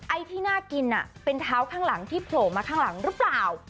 ไอ้ที่น่ากินเป็นเท้าข้างหลังที่โผล่มาข้างหลังหรือเปล่า